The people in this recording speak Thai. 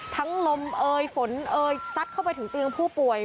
ลมเอยฝนเอยซัดเข้าไปถึงเตียงผู้ป่วย